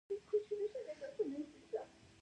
عضلات لنډیږي او اوږدیږي چې هډوکو ته حرکت ورکوي